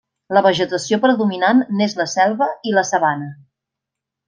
La vegetació predominant n'és la selva i la sabana.